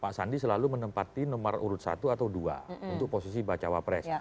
pak sandi selalu menempati nomor urut satu atau dua untuk posisi bacawa pres